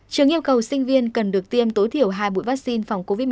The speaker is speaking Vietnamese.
trường yêu cầu sinh viên cần được tiêm tối thiểu hai bụi vaccine phòng covid một mươi